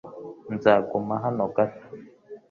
Nzaguma hano gato .